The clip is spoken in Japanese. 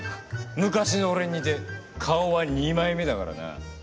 昔の俺に似て顔は二枚目だからな。